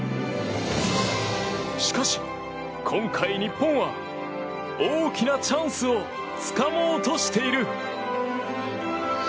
しかし、今回、日本は大きなチャンスをつかもうとしている。